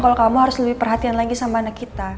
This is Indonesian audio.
kalau kamu harus lebih perhatian lagi sama anak kita